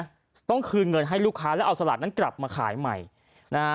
ไหมต้องเนินให้ลูกค้าและเอาสลาตนั้นกลับมาขายใหม่นะ